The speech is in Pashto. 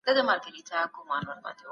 مولوي عبدالهادي خان داوى